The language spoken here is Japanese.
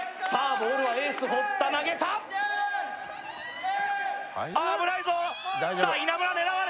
ボールはエース堀田投げた危ないぞ！